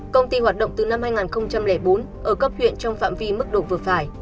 công ty hoạt động từ năm hai nghìn bốn ở cấp huyện trong phạm vi mức độ vừa phải